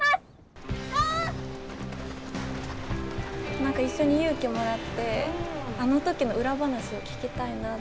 何か一緒に勇気をもらってあの時の裏話を聞きたいなと。